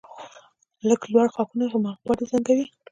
لکه لوړ ښاخونه چې هماغه باد یې زنګوي